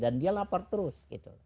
dan dia lapor terus